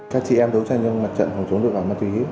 các chị em đấu tranh trong mặt trận phòng chống tội phạm ma túy